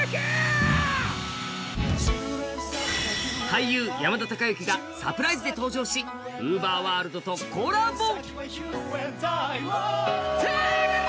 俳優、山田孝之がサプライズで登場し、ＵＶＥＲｗｏｒｌｄとコラボ。